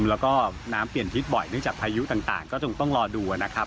แล้วก็น้ำเปลี่ยนทิศบ่อยเนื่องจากพายุต่างก็คงต้องรอดูนะครับ